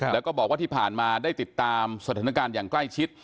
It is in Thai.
แล้วก็บอกว่าที่ผ่านมาได้ติดตามสถานการณ์อย่างใกล้ชิด